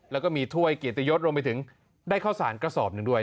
แล้วก็มีถ้วยเกียรติยศรวมไปถึงได้ข้าวสารกระสอบหนึ่งด้วย